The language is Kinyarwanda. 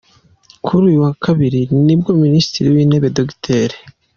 Kuri uyu wa Kabiri nibwo Minisitiri w’Intebe, Dr.